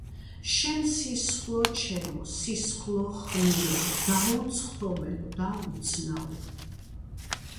შენ სისხლო ჩემოსისხლო ხნიერო, დაუცხრომელო და უცნაურო...